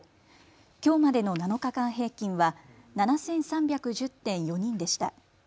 きょうまでの７日間平均は７３１０．４人でした。